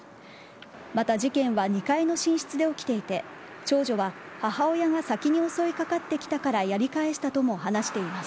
また、事件は２階の寝室で起きていて長女は母親が先に襲いかかってきたからやり返したとも話しています。